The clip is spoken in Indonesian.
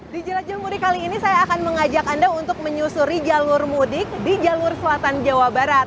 di jelat jamur kali ini saya akan mengajak anda untuk menyusuri jalur mudik di jalur selatan jawa barat